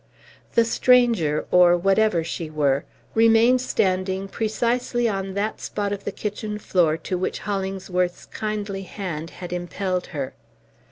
The stranger, or whatever she were, remained standing precisely on that spot of the kitchen floor to which Hollingsworth's kindly hand had impelled her.